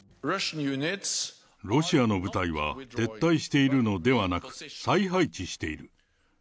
ロシアの部隊は撤退しているのではなく、再配置している。